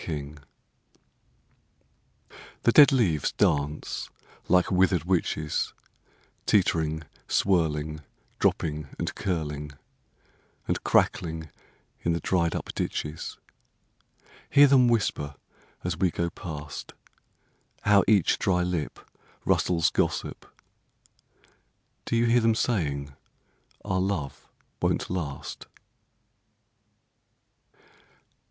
March THE DEAD leaves dance like withered witches; Teetering, swirling, Dropping and curling, And crackling in the dried up ditches. Hear them whisper as we go past. How each dry lipRustles gossip! Do you hear them saying our love won't last?